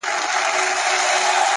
• مخامخ تته رڼا کي ,